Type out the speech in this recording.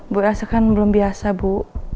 bu rasa kan belum biasa bu